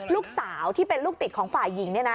ลูกสาวที่เป็นลูกติดของฝ่ายหญิง